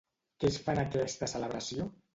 Què es fa en aquesta celebració?